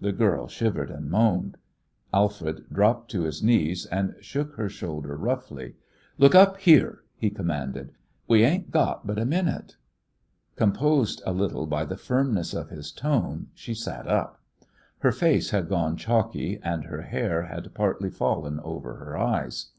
The girl shivered and moaned. Alfred dropped to his knees and shook her shoulder roughly. "Look up here," he commanded. "We ain't got but a minute." Composed a little by the firmness of his tone, she sat up. Her face had gone chalky, and her hair had partly fallen over her eyes.